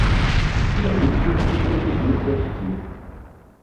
Даіць іх вучылі іх бацькі.